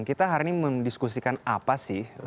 kita hari ini mendiskusikan apa sih